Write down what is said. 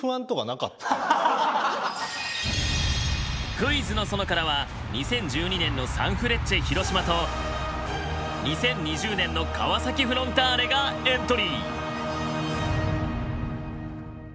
「クイズの園」からは２０１２年のサンフレッチェ広島と２０２０年の川崎フロンターレがエントリー。